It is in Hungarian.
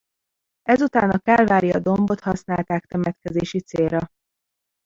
Ezután a Kálvária dombot használták temetkezési célra.